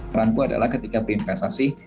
peran ku adalah ketika berinvestasi